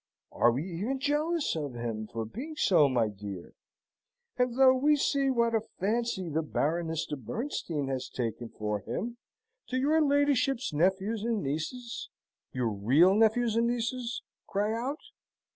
Are we even jealous of him for being so, my dear? and though we see what a fancy the Baroness de Bernstein has taken for him, do your ladyship's nephews and nieces your real nephews and nieces cry out?